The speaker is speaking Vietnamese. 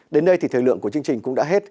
đến đây thì thời lượng của chương trình cũng đã hết